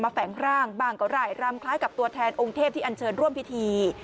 แฝงร่างบ้างก็หลายรำคล้ายกับตัวแทนองค์เทพที่อันเชิญร่วมพิธี